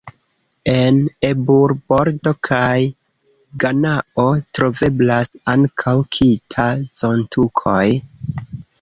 En Ebur-Bordo kaj Ganao troveblas ankaŭ "kita"-zontukoj.